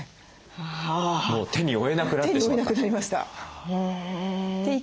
もう手に負えなくなってしまった。